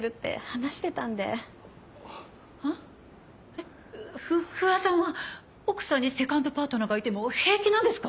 えっ不破さんは奥さんにセカンドパートナーがいても平気なんですか？